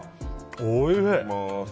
おいしい。